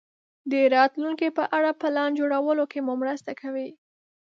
د راتلونکې په اړه پلان جوړولو کې مو مرسته کوي.